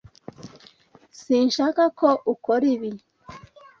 Sinshaka ko ukora ibi.